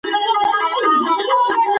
موږ باید هوښیارانه پرېکړې وکړو.